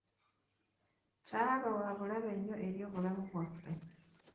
Ttaaba wa bulabe nnyo eri obulamu bwaffe.